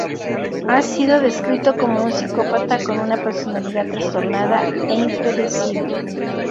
Ha sido descrito como un psicópata con una personalidad trastornada e impredecible.